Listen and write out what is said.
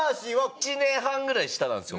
１年半ぐらい下なんですよ。